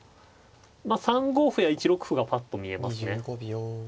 まあ３五歩や１六歩がぱっと見えますね。